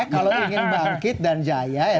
kalau ingin bangkit dan jaya